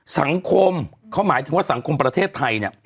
สังคมเขาหมายถึงว่าสังคมประเทศไทยเนี่ย